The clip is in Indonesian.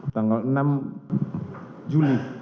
tanggal enam juni